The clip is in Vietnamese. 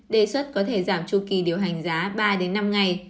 đề xuất có thể giảm tru kỳ điều hành giá ba năm ngày